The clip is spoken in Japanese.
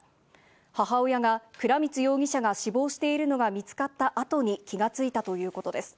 母親が倉光容疑者が死亡しているのが見つかった後に気が付いたということです。